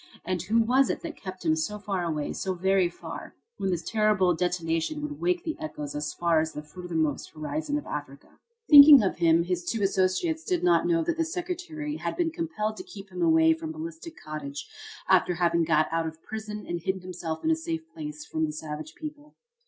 And who was it that kept him so far away, so very far, when this terrible detonation would wake the echoes as far as the furthermost horizon of Africa? Thinking of him, his two associates did not know that the Secretary had been compelled to keep away from Ballistic Cottage after having got out of prison and hidden himself in a safe place away from the savage people.